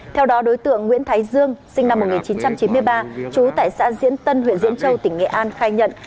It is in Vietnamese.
theo đó đối tượng nguyễn thái dương sinh năm một nghìn chín trăm chín mươi ba trú tại xã diễn tân huyện diễn châu tỉnh nghệ an khai nhận